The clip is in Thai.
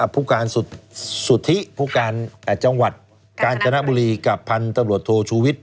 ผู้การสุธิผู้การอ่ะจังหวัดการจนบุรีกับพันตบรวจโทรชูวิต